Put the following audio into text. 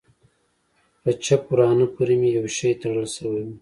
په چپ ورانه پورې مې يو شى تړل سوى و.